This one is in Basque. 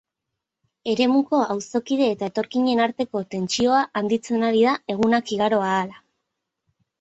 Eremuko auzokide eta etorkinen arteko tentsioa handitzen ari da egunak igaro ahala.